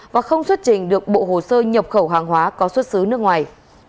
và không xuất trình được bộ hồ sơ nhập khẩu hàng hóa có xuất xứ nước ngoài